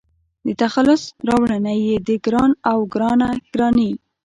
د تخلص راوړنه يې د --ګران--او --ګرانه ګراني